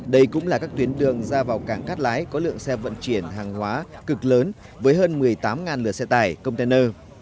đây cũng là các tuyến đường ra vào cảng cắt lái có lượng xe vận chuyển hàng hóa cực lớn với hơn một mươi tám lửa xe tải container